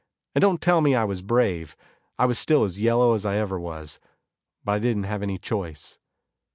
And don't tell me I was brave; I was still as yellow as I ever was. But I didn't have any choice.